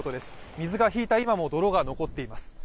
水が引いた今も泥が残っています。